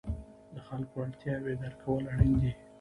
د خلکو اړتیاوې درک کول اړین دي.